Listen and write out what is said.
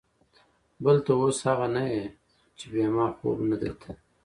بل ته اوس اغه نه يې چې بې ما خوب نه درته.